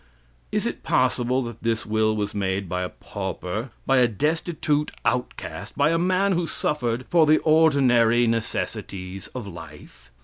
Is it possible that this will was made by a pauper, by a destitute outcast, by a man who suffered for the ordinary necessities of life?